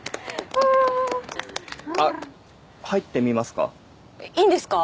あっ入ってみますか？